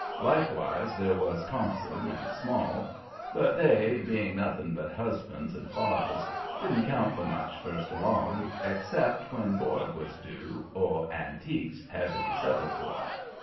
Likewise there was Thompson and Small, but they, being nothing but husbands and fathers, didn't count for much first along, except when board was due or "antiques" had to be settled for.